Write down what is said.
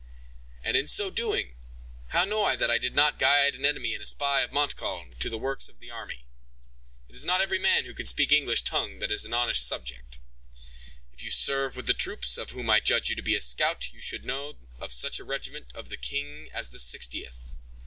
"And in so doing, how know I that I don't guide an enemy and a spy of Montcalm, to the works of the army? It is not every man who can speak the English tongue that is an honest subject." "If you serve with the troops, of whom I judge you to be a scout, you should know of such a regiment of the king as the Sixtieth."